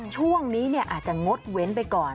ช่วงนี้อาจจะงดเว้นไปก่อน